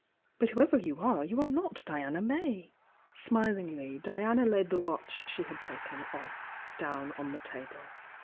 But whoever you are, you are not Diana May." Smilingly Diana laid the watch she had taken off down on the table.